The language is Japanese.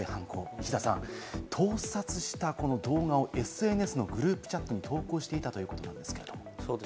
石田さん、盗撮した動画をＳＮＳのグループチャットに投稿していたということなんですけれど。